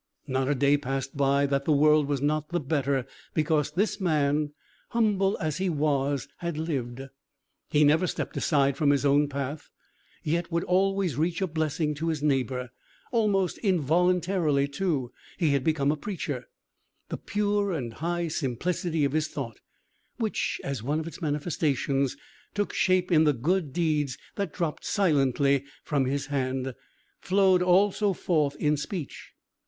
Not a day passed by, that the world was not the better because this man, humble as he was, had lived. He never stepped aside from his own path, yet would always reach a blessing to his neighbour. Almost involuntarily, too, he had become a preacher. The pure and high simplicity of his thought, which, as one of its manifestations, took shape in the good deeds that dropped silently from his hand, flowed also forth in speech.